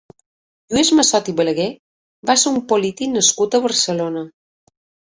Lluís Massot i Balaguer va ser un polític nascut a Barcelona.